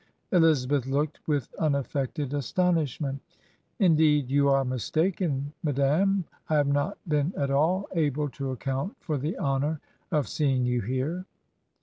Elizabeth looked with unaffected aston ishment. 'Indeed, you are mistaken, madam; I have not been at all able to account for the honor of seeing you here.'